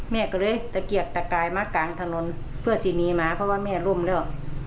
แม่ก็เลยตะเกียกตะกายมากลางถนนเพื่อสินีมาเพราะว่าแม่ร่มแล้ว